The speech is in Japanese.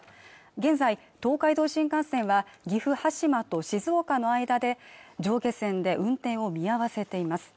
現在東海道新幹線は岐阜羽島と静岡の間で上下線で運転を見合わせています